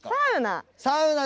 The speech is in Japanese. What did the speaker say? サウナ？